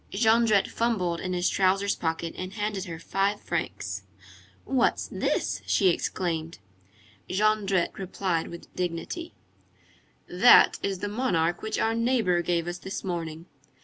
Jondrette fumbled in his trousers pocket and handed her five francs. "What's this?" she exclaimed. Jondrette replied with dignity:— "That is the monarch which our neighbor gave us this morning."